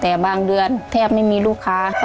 แต่บางเดือนแทบไม่มีลูกค้าเข้ามาซ่อม